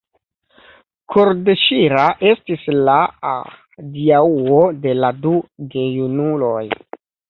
Kordeŝira estis la adiaŭo de la du gejunuloj.